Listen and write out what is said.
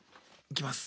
いきます。